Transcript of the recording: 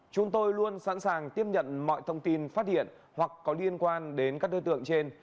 chúng tôi luôn sẵn sàng tiếp nhận mọi thông tin phát hiện hoặc có liên quan đến các đối tượng trên